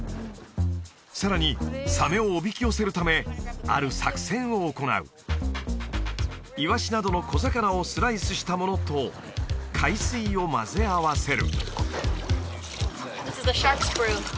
さらにサメをおびき寄せるためある作戦を行うイワシなどの小魚をスライスしたものと海水を混ぜ合わせる